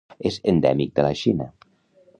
És endèmic de la Xina.